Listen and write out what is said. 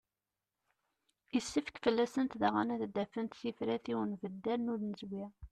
Yessefk fell-asent daɣen ad d-afent tifrat i unbeddal n unezwi.